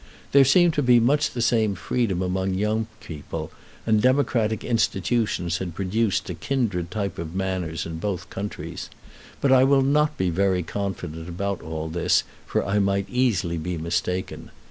There seemed to be much the same freedom among young people, and democratic institutions had produced a kindred type of manners in both countries. But I will not be very confident about all this, for I might easily be mistaken.